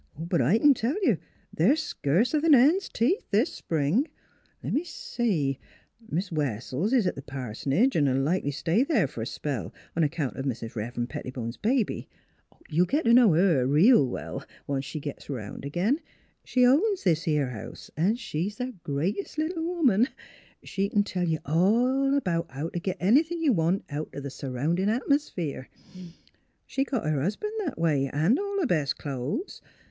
" But I c'n tell you they're scurcer 'n hen's teeth this spring. L'me see: Mis' Wessells is t' th' pars'nage, 'n' likely '11 stay there f'r a spell on 'count of Mis' Rev'ren' Pettibone's baby. ... You'll git t' know her reel well, once she gits 'round agin. She owns this 'ere house, an' she's th' greatest little woman she c'n tell you all about how t' git anythin' you want out th' surroundin' atmosphere. She got her husban' that a way 'n' all her best clo'es.